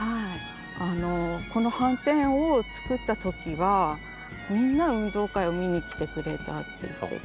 あのこのはんてんを作った時はみんな運動会を見に来てくれたって言ってて。